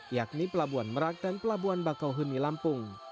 yakni pelabuhan merak dan pelabuhan bakau huni lampung